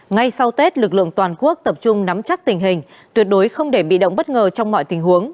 ngay sau tết lực lượng toàn quốc tập trung nắm chắc tình hình tuyệt đối không để bị động bất ngờ trong mọi tình huống